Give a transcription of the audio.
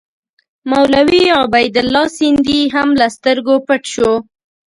مولوي عبیدالله سندي هم له سترګو پټ شو.